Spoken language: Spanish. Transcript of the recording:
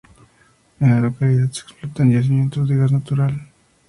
En la localidad se explotan yacimientos de gas natural.